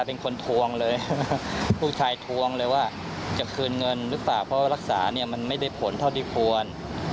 เพราะว่ามันไม่ได้ผลเท่าที่ควร